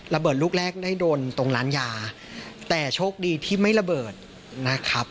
ลูกแรกได้โดนตรงร้านยาแต่โชคดีที่ไม่ระเบิดนะครับ